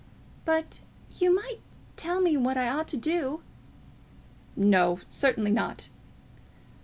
"But you might tell me what I ought to do." "No; certainly not."